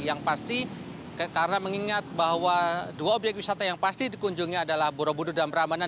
yang pasti karena mengingat bahwa dua objek wisata yang pasti dikunjungi adalah borobudur dan perambanan